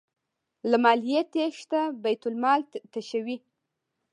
له مالیې تیښته بیت المال تشوي.